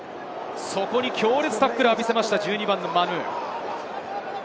そこに強烈なタックルを浴びせましたマヌ。